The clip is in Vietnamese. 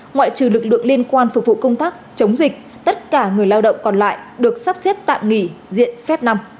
ngoại trừ lực lượng liên quan phục vụ công tác chống dịch tất cả người lao động còn lại được sắp xếp tạm nghỉ diện phép năm